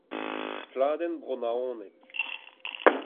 Pladenn Bro-Naoned.